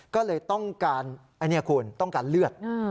ก็เลยต้องการอันนี้คุณต้องการเลือด